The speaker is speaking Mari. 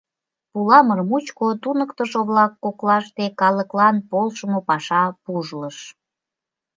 Пуламыр мучко туныктышо-влак коклаште калыклан полшымо паша пужлыш.